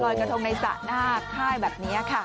กระทงในสระหน้าค่ายแบบนี้ค่ะ